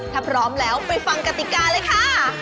ถ้าพร้อมแล้วไปฟังกติกาเลยค่ะ